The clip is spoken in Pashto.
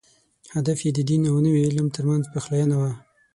هدف یې د دین او نوي علم تر منځ پخلاینه وه.